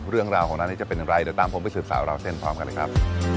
เรื่องราวของร้านนี้จะเป็นอย่างไรเดี๋ยวตามผมไปสืบสาวราวเส้นพร้อมกันเลยครับ